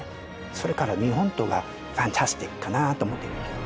それから日本刀はファンタスティックかなと思ってるんだけど。